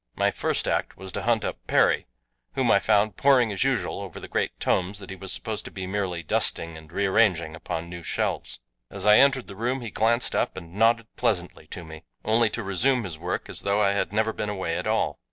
My first act was to hunt up Perry, whom I found poring as usual over the great tomes that he was supposed to be merely dusting and rearranging upon new shelves. As I entered the room he glanced up and nodded pleasantly to me, only to resume his work as though I had never been away at all.